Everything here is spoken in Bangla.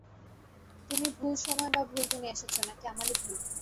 তুমি ভুল সময় বা ভুল দিনে এসেছ, - নাকি আমারই ভুল?